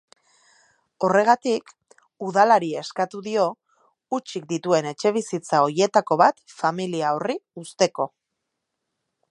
Horregatik, udalari eskatu dio hutsik dituen etxebizitza horietako bat familia horri uzteko.